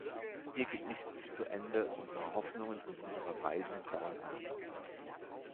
Hier geht nichts zu Ende; unsere Hoffnungen und unsere Reisen dauern an.